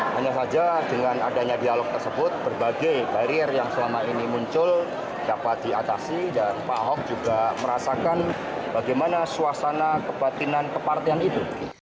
hanya saja dengan adanya dialog tersebut berbagai barier yang selama ini muncul dapat diatasi dan pak ahok juga merasakan bagaimana suasana kebatinan kepartian itu